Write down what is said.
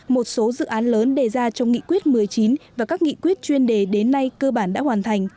một số dự án lớn đề ra trong nghị quyết một mươi chín và các nghị quyết chuyên đề đến nay cơ bản đã hoàn thành